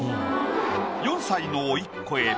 ４歳のおいっ子へ。